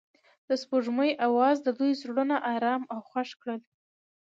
د سپوږمۍ اواز د دوی زړونه ارامه او خوښ کړل.